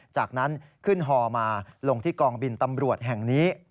จากนั้นขึ้นฮอมาลงที่กองบินตำรวจแห่งนี้